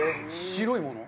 白いもの？